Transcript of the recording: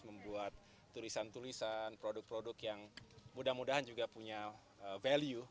membuat tulisan tulisan produk produk yang mudah mudahan juga punya value